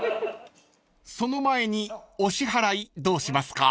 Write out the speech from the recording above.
［その前にお支払いどうしますか？］